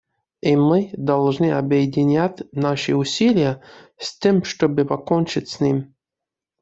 И мы должны объединять наши усилия, с тем чтобы покончить с ним.